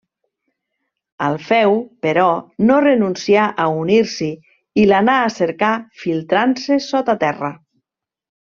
Alfeu, però, no renuncià a unir-s'hi i l'anà a cercar filtrant-se sota terra.